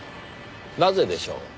なぜでしょう？